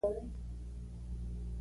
بیا یې نو خبره د منلو وړ نده.